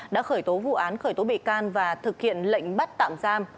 đã khởi tố vụ án khởi tố bị can và thực hiện lệnh bắt tạm giam